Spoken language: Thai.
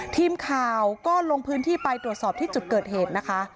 ทีมข่าวก็ลงพื้นที่ไปตรวจสอบที่จุดเกิดเหตุนะคะ